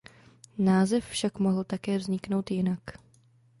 Název však mohl také vzniknout jinak.